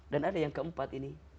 dan ada yang keempat ini